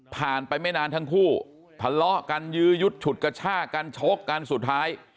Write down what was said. ผ่านไปไม่นานทั้งคู่พลาดการยืดชตรกระชาการชกการสุดท้าย